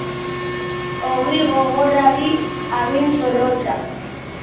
Ogi gogorrari, hagin zorrotza.